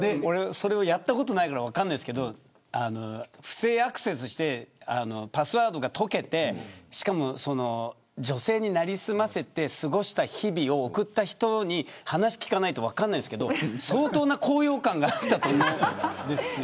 やったことないから分かりませんけど不正アクセスしてパスワードが解けて女性に成り済ませて過ごした日々を送った人に話を聞かないと分かりませんけど相当な高揚感があったと思うんです。